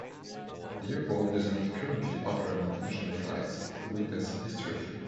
The airport does not currently offer any international flights, though it has historically.